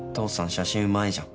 写真うまいじゃん。